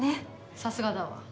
さすがだわ。